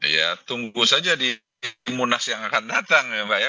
ya tunggu saja di munas yang akan datang ya mbak ya